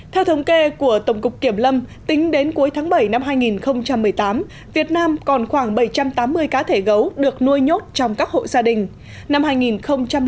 theo thống kê của tổng cục kiểm lâm tính đến cuối tháng bảy năm hai nghìn một mươi tám việt nam còn khoảng bảy trăm tám mươi cá thể gấu được nuôi nhốt trong các hộ gia đình